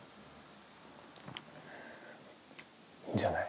いいんじゃない？